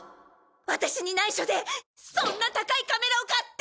ワタシに内緒でそんな高いカメラを買って！